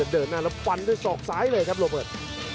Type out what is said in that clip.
เดินหน้าแล้วฟันด้วยศอกซ้ายเลยครับโรเบิร์ต